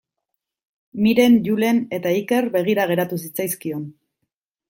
Miren, Julen eta Iker begira geratu zitzaizkion.